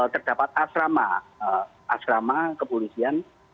terdapat asrama kepolisian